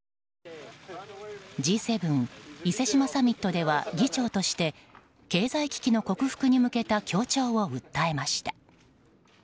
Ｇ７、伊勢志摩サミットでは議長として経済危機の克服に向けた協調を訴えました。